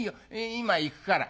今行くから。